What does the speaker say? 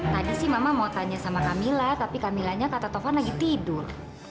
tadi sih mama mau tanya sama camilla tapi camillanya kata tovan lagi tidur